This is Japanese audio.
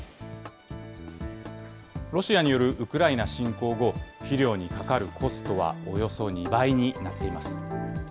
ロシアによるウクライナ侵攻後、肥料にかかるコストはおよそ２倍になっています。